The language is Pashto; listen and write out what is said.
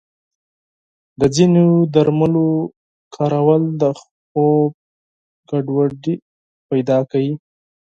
د ځینو درملو کارول د خوب ګډوډي پیدا کوي.